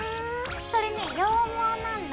それね羊毛なんだ。